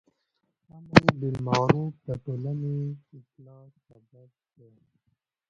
امر بالمعروف د ټولنی اصلاح سبب دی.